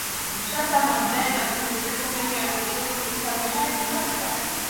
Շատ սահմանումներ են առաջադրվել, սակայն յուրաքանչյուրն ունի տարբեր շեշտադրություն։